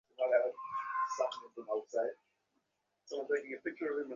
আর কত মেয়েকে হয়তো সে অমল কত দিয়াছে।